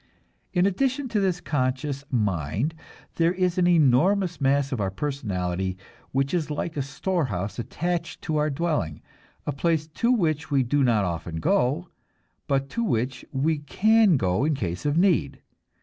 In addition to this conscious mind there is an enormous mass of our personality which is like a storehouse attached to our dwelling, a place to which we do not often go, but to which we can go in case of need.